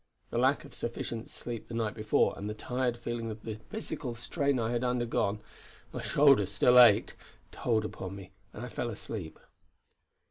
The lack of sufficient sleep the night before and the tired feeling of the physical strain I had undergone my shoulders still ached told upon me, and I fell asleep.